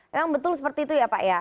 memang betul seperti itu ya pak ya